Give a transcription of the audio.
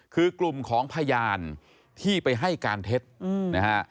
คือกลุ่มของพยานที่ไปให้การเท็จนะฮะ